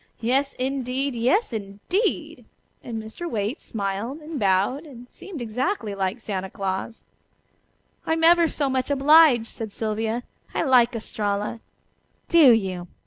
Yes, indeed! Yes, indeed!" and Mr. Waite smiled and bowed, and seemed exactly like Santa Claus. "I'm ever so much obliged," said Sylvia. "I like Estralla." "Do you?